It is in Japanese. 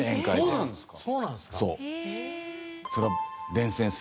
そうなんですか。